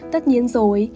tất nhiên rồi